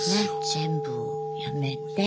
全部をやめて。